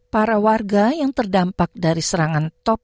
para warga yang terdampak dari serangan top